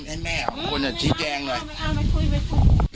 ให้แม่อ่ะคนอ่ะชิ้นแจงหน่อยไม่คุยไม่คุยไม่คุย